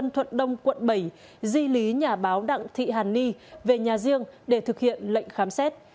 thuận đông quận bảy di lý nhà báo đặng thị hàn ni về nhà riêng để thực hiện lệnh khám xét